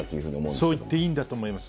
そう言っていいんだと思います。